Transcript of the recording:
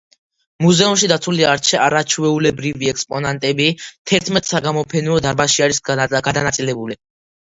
მუზეუმში დაცული არაჩვეულებრივი ექსპონატები თერთმეტ საგამოფენო დარბაზში არის განაწილებული.